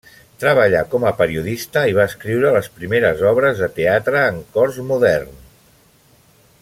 Treballà com a periodista i va escriure les primeres obres de teatre en cors modern.